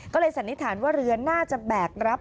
ก็เลยสันนิษฐานว่าเรือน่าจะแบกรับ